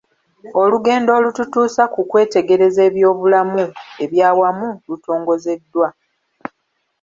Olugendo olututuusa ku kwetegereza ebyobulamu eby'awamu lutongozeddwa